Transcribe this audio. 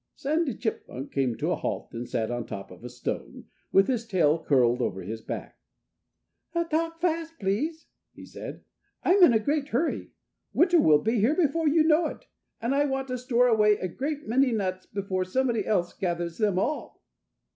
Sandy Chipmunk came to a halt and sat up on top of a stone, with his tail curled over his back. "Talk fast, please!" he said. "I'm in a great hurry. Winter will be here before you know it. And I want to store away a great many nuts before somebody else gathers them all."